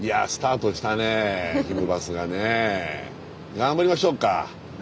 頑張りましょうか。